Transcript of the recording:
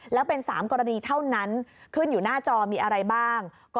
แล้วเป็น๓กรณีเท่านั้นขึ้นอยู่หน้าจอมีอะไรบ้าง